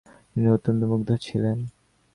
তিনি অত্যন্ত মুগ্ধ ছিলেন।